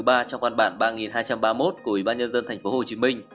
trong quan bản ba hai trăm ba mươi một của ủy ban nhân dân thành phố hồ chí minh